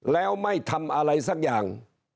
แล้วไม่ทำอะไรสักอย่าง